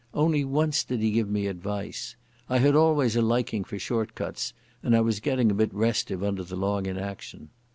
Only once did he give me advice. I had always a liking for short cuts, and I was getting a bit restive under the long inaction.